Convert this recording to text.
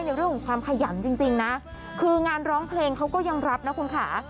ในเรื่องของความขยันจริงนะคืองานร้องเพลงเขาก็ยังรับนะคุณค่ะ